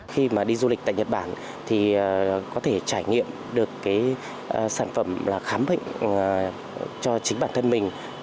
khi mà đi du lịch tại nhật bản thì có thể trải nghiệm được cái sản phẩm khám bệnh cho chính bản thân mình